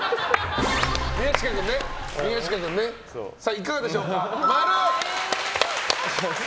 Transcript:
いかがでしょうか？